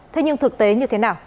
thế nhưng thực tế như thế nào